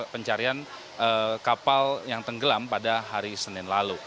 pencarian kapal yang tenggelam pada hari senin lalu